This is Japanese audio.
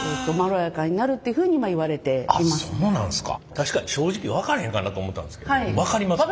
確かに正直分からへんかなと思ったんですけど分かりますね。